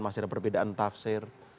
masih ada perbedaan tafsir